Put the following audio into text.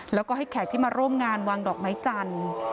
แล้วก็ให้แขกที่มาร่วมงานวางดอกไม้จันทร์